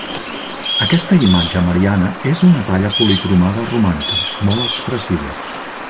Aquesta imatge mariana és una talla policromada romànica, molt expressiva.